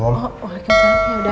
yaudah hati hati sayang ya